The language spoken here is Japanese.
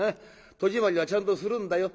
戸締まりはちゃんとするんだよ」。